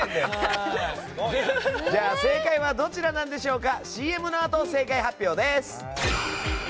正解はどちらなんでしょうか。